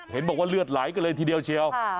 เห็นบอกว่าเลือดไหลกันเลยทีเดียวเชียว